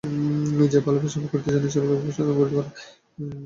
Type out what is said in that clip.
যে ভালভাবে সেবা করিতে জানে, সে-ই ভালভাবে শাসন করিতে পারে।